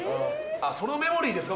その「メモリー」ですか？